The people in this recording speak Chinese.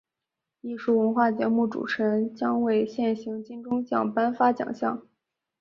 艺术文化节目主持人奖为现行金钟奖颁发奖项。